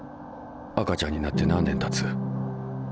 赤ちゃんになって何年たつ？